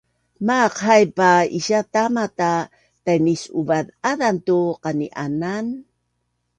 Maaq haip a isia tama ta tinus’uav’azan tu qani’anan